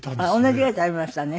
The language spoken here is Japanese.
同じぐらい食べましたね。